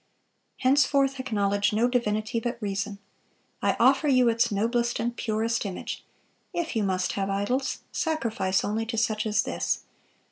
Henceforth acknowledge no divinity but Reason. I offer you its noblest and purest image; if you must have idols, sacrifice only to such as this....